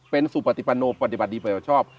เป็นสุปฏิปันโนปปฏิบัติดิประชอบ